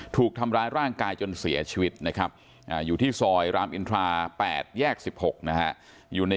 ถูกทำร้ายร่างกายจนเสียชีวิตอยู่ที่ที่ซอยรามอินทรา๘๑๖